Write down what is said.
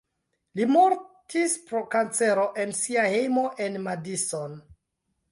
Li mortis pro kancero en sia hejmo en Madison (Viskonsino).